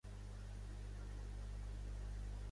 Quans diners gasten la monarquia cada dia?